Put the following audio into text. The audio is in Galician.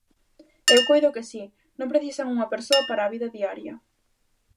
Eu coido que si, non precisan unha persoa para a vida diaria.